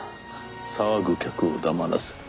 騒ぐ客を黙らせる。